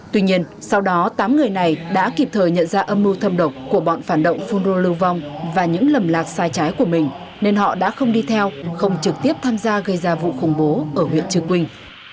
tỉnh đắk lắc đã kịp thời nhận ra âm mưu thâm độc của bọn phản động phun rô lưu vong và những lầm lạc sai trái của mình nên họ đã không đi theo không trực tiếp tham gia gây ra vụ khủng bố ở huyện trưa quynh